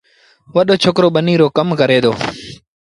وڏو ڇوڪرو ٻنيٚ رو ڪم ڪري دو۔